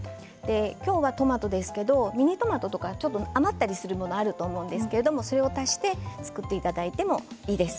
今日はトマトですけどミニトマトとか余ったりするものがあると思うんですけど、それを足して作っていただいてもいいです。